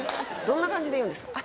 どんな感じで言うんですか？